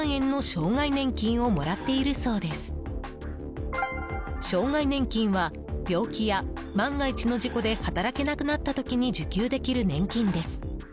障害年金は病気や万が一の事故で働けなくなった時に受給できる年金です。